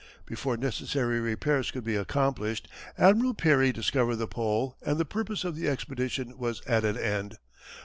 Before necessary repairs could be accomplished Admiral Peary discovered the Pole and the purpose of the expedition was at an end.